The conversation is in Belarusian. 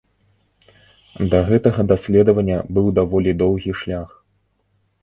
Да гэтага даследавання быў даволі доўгі шлях.